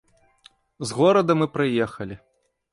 З горада мы прыехалі.